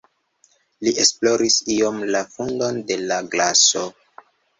Li esploris iom la fundon de la glaso.